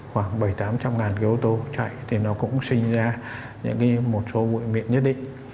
tám trăm linh cái ô tô chạy thì nó cũng sinh ra những cái một số bụi miệng nhất định